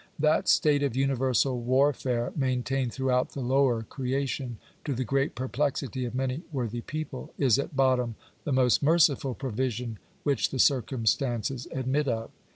That state of universal warfare maintained throughout the lower creation, to the great perplexity of many worthy people, is at bottom the most merciful provision which the circumstances admit of.